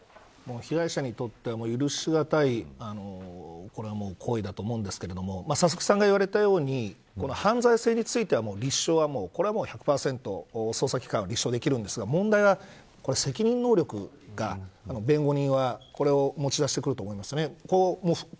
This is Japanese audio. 被害者にとっては許しがたい行為だと思うんですけども佐々木さんが言われたように犯罪成立については立証は１００％捜査機関はできるんですが問題は責任能力が弁護人は、これを持ち出してくると思います。